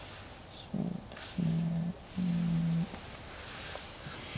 そうですね